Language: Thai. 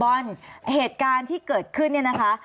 บอลเหตุการณ์ที่เกิดขึ้นนะคะ